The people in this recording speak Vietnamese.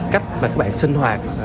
cách mà các bạn sinh hoạt